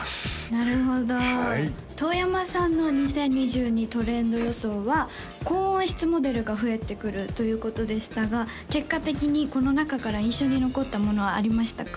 なるほど遠山さんの２０２２トレンド予想はということでしたが結果的にこの中から印象に残ったものはありましたか？